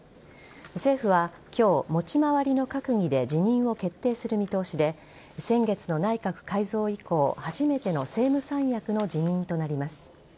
政府は今日、持ち回りの閣議で辞任を決定する見通しで先月の内閣改造以降初めての政務三役の辞任となります。